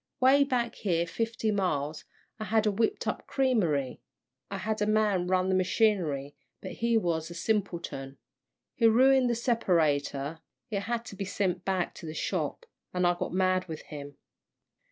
'Way back here fifty miles, I had whipped up a creamery; I had a man to run the machinery, but he was a simpleton. He ruined the separator, it had to be sent back to the shop, an' I got mad with him.